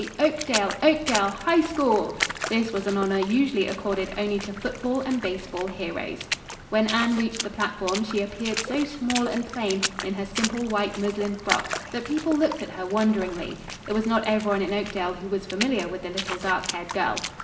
Oakdale, Oakdale, HIGH SCHOOL!" This was an honor usually accorded only to football and baseball heroes. When Anne reached the platform she appeared so small and plain, in her simple white muslin frock, that people looked at her wonderingly. It was not everyone in Oakdale who was familiar with the little, dark haired girl.